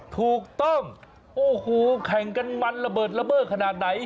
ถูกต้องโอ้โหแข่งกันมันระเบิดระเบิดขนาดไหน